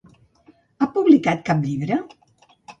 Ha publicat cap llibre?